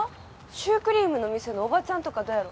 シュークリームの店のおばちゃんとかどうやろ？